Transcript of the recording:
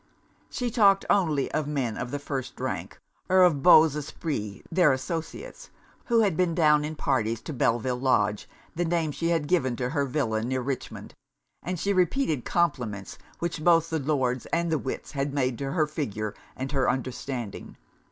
She talked only of men of the first rank, or of beaux esprits their associates, who had been down in parties to Belleville Lodge (the name she had given to her villa near Richmond); and she repeated compliments which both the Lords and the wits had made to her figure and her understanding.